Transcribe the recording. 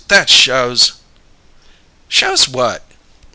That shows!" "Shows what?"